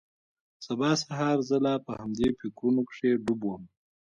سبا سهار زه لا په همدې فکرونو کښې ډوب وم.